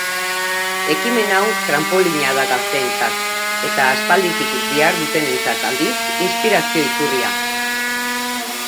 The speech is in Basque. Ekimen hau tranpolina da gazteentzat eta aspalditik dihardutenentzat, aldiz, inspirazio iturria.